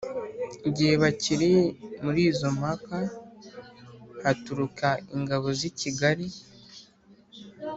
igihe bakiri muli izo mpaka haturuka ingabo z'i kigali,